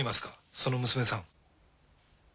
その娘さん。